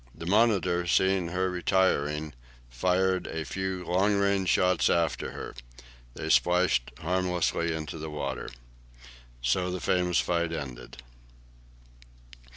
The "Monitor," seeing her retiring, fired a few long range shots after her. They splashed harmlessly into the water. So the famous fight ended.